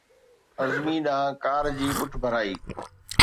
عظمي ڏانهن ڪار جي پٺڀرائي